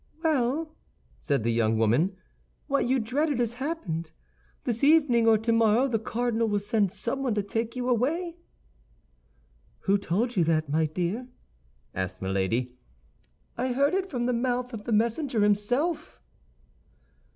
"Well," said the young woman, "what you dreaded has happened. This evening, or tomorrow, the cardinal will send someone to take you away." "Who told you that, my dear?" asked Milady. "I heard it from the mouth of the messenger himself."